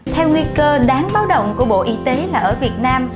theo nguy cơ đáng báo động của bộ y tế là ở việt nam